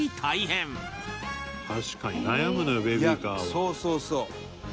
そうそうそう。